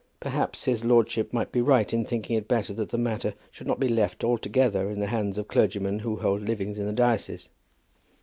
Perhaps his lordship may be right in thinking it better that the matter should not be left altogether in the hands of clergymen who hold livings in the diocese.